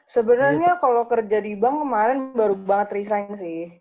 sebenarnya kalau kerja di bank kemarin baru banget resign sih